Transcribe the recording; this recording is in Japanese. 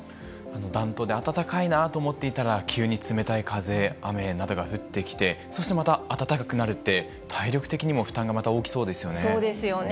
暖冬で暖かいなと思っていたら、急に冷たい風、雨などが降ってきて、そしてまた暖かくなるって、体力的にも負担がまた大きそうですよね。